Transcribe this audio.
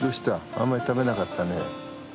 あんまり食べなかったね。